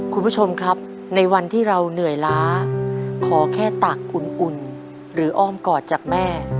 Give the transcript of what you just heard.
คุณผู้ชมครับในวันที่เราเหนื่อยล้าขอแค่ตักอุ่นหรืออ้อมกอดจากแม่